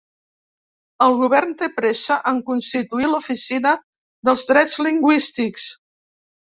El govern té pressa en constituir l'Oficina dels Drets Lingüístics